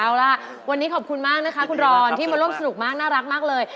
เอาล่ะวันนี้ขอบคุณมากนะคะคุณรอนที่มาร่วมสนุกมากน่ารักมากเลย